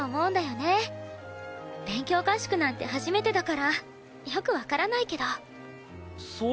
勉強合宿なんて初めてだからよくわからないけど。